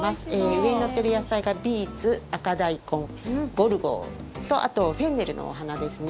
上に乗っている野菜がビーツ、赤大根、ゴルゴとあとフェンネルのお花ですね。